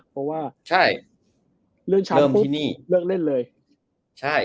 เพราะว่าเรื่องชั้นเริ่มเล่นเลย